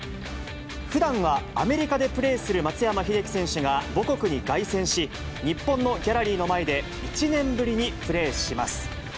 ふだんはアメリカでプレーする松山英樹選手が母国に凱旋し、日本のギャラリーの前で１年ぶりにプレーします。